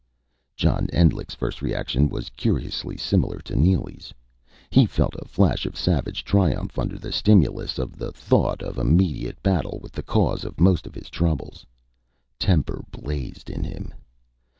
John Endlich's first reaction was curiously similar to Neely's. He felt a flash of savage triumph under the stimulus of the thought of immediate battle with the cause of most of his troubles. Temper blazed in him.